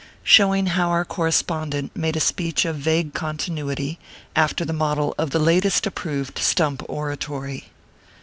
SHOWING HOW OUR CORRESPONDENT MADE A SPEECH OF VAGUE CONTINUITY, AFTER THE MODEL OF THE LATEST APPROVED STUMP ORATORY.